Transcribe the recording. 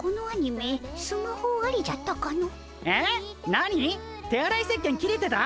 なに手洗いせっけん切れてた？